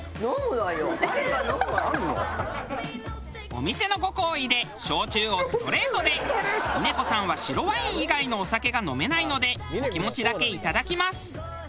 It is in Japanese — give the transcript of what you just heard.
お店のご厚意で峰子さんは白ワイン以外のお酒が飲めないのでお気持ちだけいただきます。